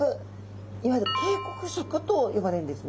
いわゆる警告色と呼ばれるんですね。